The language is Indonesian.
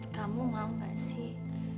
kamu mau gak sih